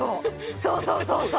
そうそうそうそう。